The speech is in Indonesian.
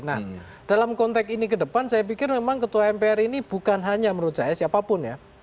nah dalam konteks ini ke depan saya pikir memang ketua mpr ini bukan hanya menurut saya siapapun ya